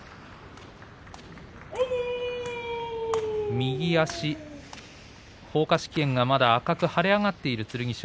右足、ほうか織炎がまだ赤く腫れ上がっている剣翔。